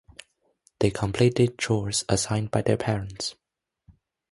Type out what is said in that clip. They completed chores assigned by their parents.